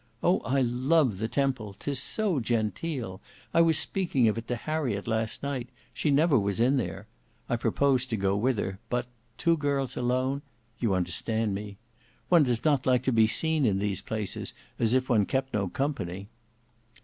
Oh! I love the Temple! 'Tis so genteel! I was speaking of it to Harriet last night; she never was there. I proposed to go with her—but two girls alone,—you understand me. One does not like to be seen in these places, as if one kept no company."